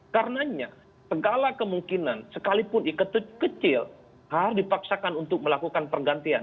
karenanya segala kemungkinan sekalipun ike kecil harus dipaksakan untuk melakukan pergantian